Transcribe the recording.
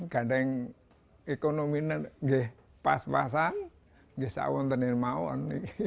kadang ekonominya pas pasan bisa dikawal